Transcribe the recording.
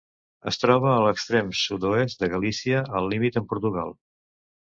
Es troba a l'extrem sud-oest de Galícia, al límit amb Portugal.